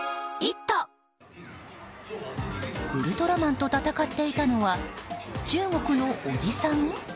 ウルトラマンと戦っていたのは中国のおじさん？